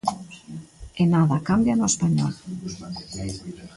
E nada cambia no Español.